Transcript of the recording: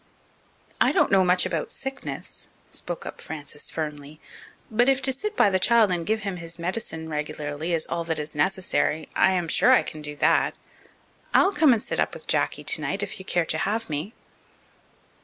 "I don't know much about sickness," spoke up Frances firmly, "but if to sit by the child and give him his medicine regularly is all that is necessary, I am sure I can do that. I'll come and sit up with Jacky tonight if you care to have me."